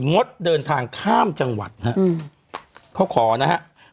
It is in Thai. งดเดินทางข้ามจังหวัดฮะเขาขอนะครับ